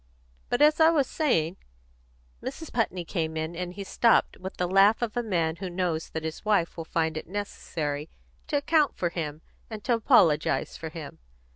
But, as I was saying " Mrs. Putney came in, and he stopped with the laugh of a man who knows that his wife will find it necessary to account for him and apologise for him.